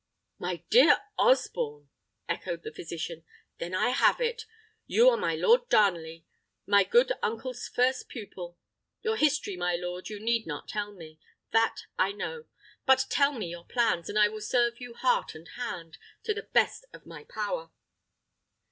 "My dear Osborne!" echoed the physician. "Then I have it! You are my Lord Darnley, my good uncle's first pupil. Your history, my lord, you need not tell me: that I know. But tell me your plans, and I will serve you heart and hand, to the best of my power."